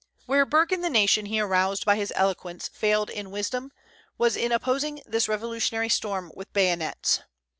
Where Burke and the nation he aroused by his eloquence failed in wisdom, was in opposing this revolutionary storm with bayonets.